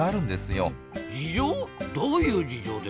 どういう事情ですか？